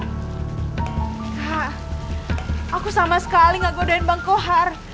kak aku sama sekali nggak godain bang kohar